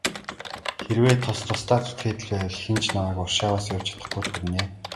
Хэрвээ тус тусдаа зүтгээд л байвал хэн маань ч Варшаваас явж чадахгүйд хүрнэ.